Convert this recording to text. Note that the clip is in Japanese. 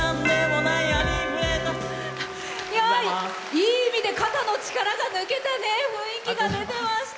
いい意味で肩の力が抜けた雰囲気が出てました。